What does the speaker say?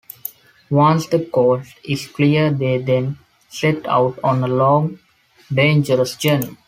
Once the coast is clear they then set out on a long, dangerous journey.